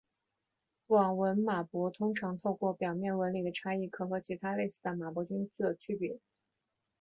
网纹马勃通常透过表面纹理的差异可和其他类似的马勃菌作区别。